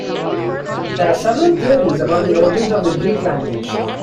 There are several theories about the origins of the Greek language.